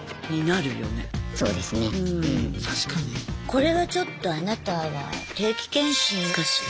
これはちょっとあなたは定期検診かしら。